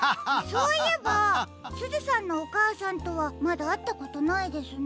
そういえばすずさんのおかあさんとはまだあったことないですね。